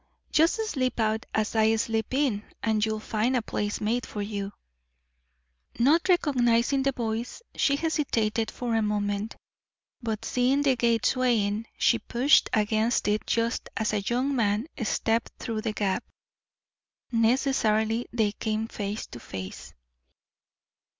"Just slip out as I slip in, and you'll find a place made for you." Not recognising the voice, she hesitated for a moment, but seeing the gate swaying, she pushed against it just as a young man stepped through the gap. Necessarily they came face to face.